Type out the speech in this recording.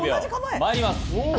まいります。